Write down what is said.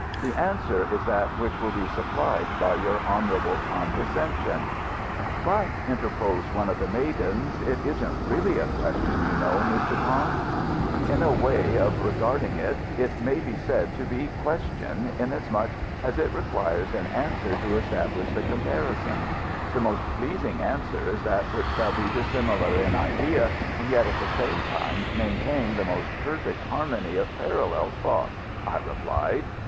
The answer is that which will be supplied by your honourable condescension." "But," interposed one of the maidens, "it isn't really a question, you know, Mr. Kong." "In a way of regarding it, it may be said to be question, inasmuch as it requires an answer to establish the comparison. The most pleasing answer is that which shall be dissimilar in idea, and yet at the same time maintain the most perfect harmony of parallel thought," I replied.